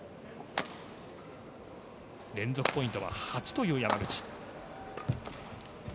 連続ポイントは８という山口。